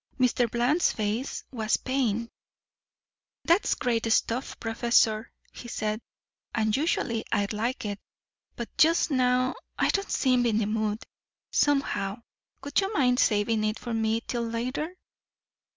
Mr. Bland's face was pained. "That's great stuff, Professor," he said, "and usually I'd like it. But just now I don't seem in the mood, somehow. Would you mind saving it for me till later?"